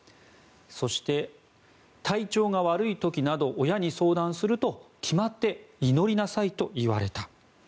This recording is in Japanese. そして、体調が悪い時など親に相談すると決まって祈りなさいと言われた。